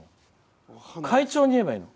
会長に言えばいいの？